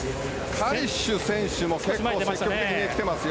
カリシュ選手も積極的にきていますよ。